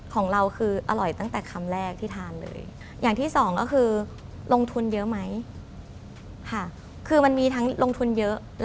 ของเราคืออร่อยตั้งแต่คำแรกที่ทานเลย